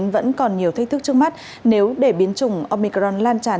vẫn còn nhiều thách thức trước mắt nếu để biến chủng omicron lan tràn